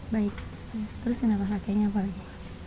baik terus kenapa rakenya apa lagi